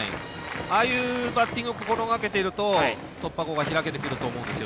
ああいうバッティングを心がけていると突破口が開けてくると思います。